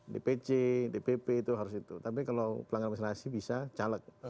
di pc di pp itu harus itu tapi kalau pelanggar administrasi bisa caleg